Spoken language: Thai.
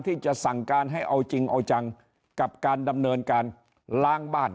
ที่จะสั่งการให้เอาจริงเอาจังกับการดำเนินการล้างบ้าน